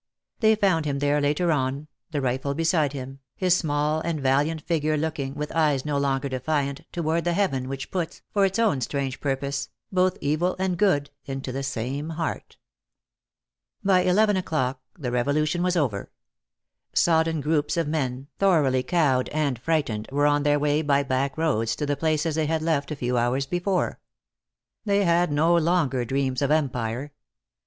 They found him there later on, the rifle beside him, his small and valiant figure looking, with eyes no longer defiant, toward the Heaven which puts, for its own strange purpose, both evil and good into the same heart. By eleven o'clock the revolution was over. Sodden groups of men, thoroughly cowed and frightened, were on their way by back roads to the places they had left a few hours before. They had no longer dreams of empire.